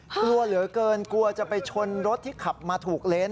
กลัวเหลือเกินกลัวจะไปชนรถที่ขับมาถูกเลน